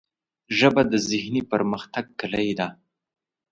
ژبه د ذهني پرمختګ کلۍ ده